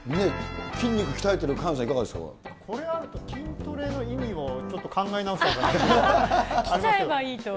筋肉鍛えてる萱野さん、これあると筋トレの意味を、ちょっと考え直したほうがいいですね。